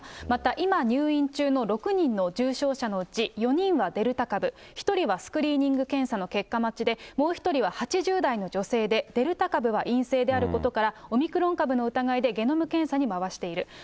また、今、入院中の６人の重症者のうち、４人はデルタ株、１人はスクリーニング検査の結果待ちで、もう１人は８０代の女性で、デルタ株は陰性であることから、オミクロン株の疑いでゲノム検査に回している。